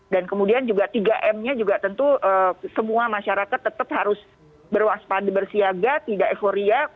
dan kemudian juga tiga m nya juga tentu semua masyarakat tetap harus berwaspada bersiaga tidak euforia